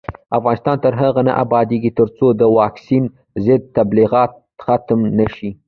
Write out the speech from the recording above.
افغانستان تر هغو نه ابادیږي، ترڅو د واکسین ضد تبلیغات ختم نشي.